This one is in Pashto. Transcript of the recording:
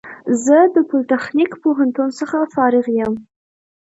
زه له پولیتخنیک پوهنتون څخه فارغ یم